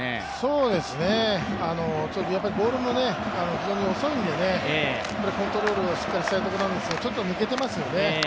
そうですね、やっぱりボールも非常に遅いんでね、コントロールはしっかりしたいところなんですけど、ちょっと抜けていますよね。